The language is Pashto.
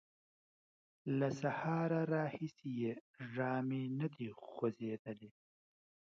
له سهاره راهیسې یې ژامې نه دې خوځېدلې!